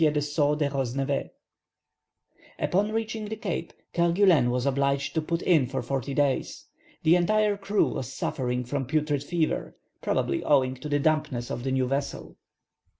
de Saux de Rosnevet. Upon reaching the Cape, Kerguelen was obliged to put in for forty days. The entire crew was suffering from putrid fever, probably owing to the dampness of the new vessel.